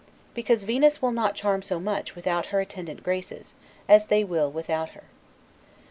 because Venus will not charm so much, without her attendant Graces, as they will without her.